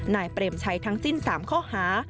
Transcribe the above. นายเปรมใช้ทั้งสิ้น๓ข้อหา